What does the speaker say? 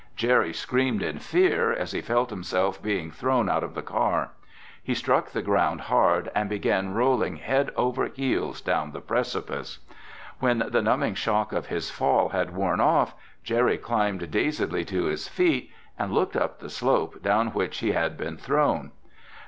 Jerry screamed in fear as he felt himself being thrown out of the car. He struck the ground hard and began rolling head over heels down the precipice. When the numbing shock of his fall had worn off, Jerry climbed dazedly to his feet and looked up the slope down which he had been thrown.